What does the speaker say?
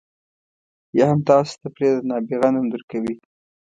یا هم تاسو ته پرې د نابغه نوم درکوي.